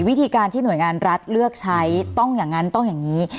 วิธีการที่หน่วยงานรัฐเลือกใช้ต้องอย่างนั้นต้องอย่างนี้